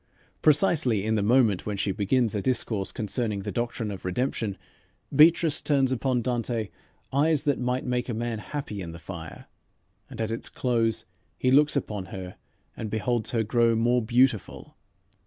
Precisely in the moment when she begins a discourse concerning the doctrine of redemption, Beatrice turns upon Dante "eyes that might make a man happy in the fire," and at its close he looks upon her and beholds her "grow more beautiful."